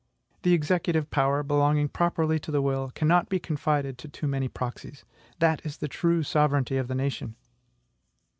The executive power, belonging properly to the will, cannot be confided to too many proxies. That is the true sovereignty of the nation.